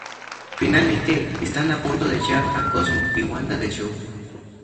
Finalmente, están a punto de echar a Cosmo y Wanda del show.